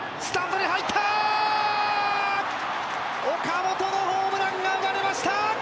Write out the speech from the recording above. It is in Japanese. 岡本のホームランが暴れました！